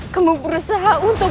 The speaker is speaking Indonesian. kamu berusaha untuk